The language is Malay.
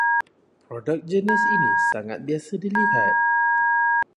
Produk jenis ini sangat biasa dilihat